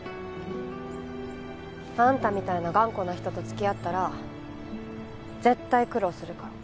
あんたみたいな頑固な人と付き合ったら絶対苦労するから。